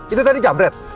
itu tadi jamret